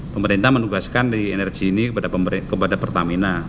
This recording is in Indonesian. pemerintah menugaskan energi ini kepada pertamina